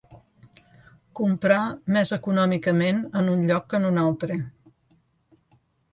Comprar més econòmicament en un lloc que en un altre.